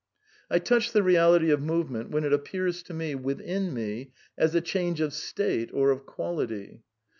"... I touch the reality of movement when it appears to me, within me, as a change of state or of quality."